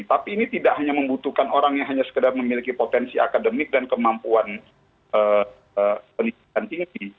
tapi ini tidak hanya membutuhkan orang yang hanya sekedar memiliki potensi akademik dan kemampuan pendidikan tinggi